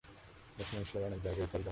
দক্ষিণ এশিয়ার অনেক জায়গায় এ ফল জন্মে।